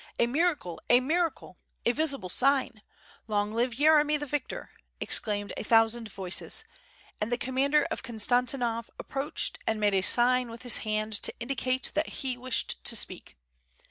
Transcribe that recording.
"A miracle! A miracle! A visible sign! Long live Yeremy the victor," exclaimed a thousand voices; and the commander of Konstantinov approached and made a sign with his hand to indicate that he wished to speak.